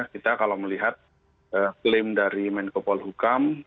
kita kalau melihat klaim dari menko polo hukam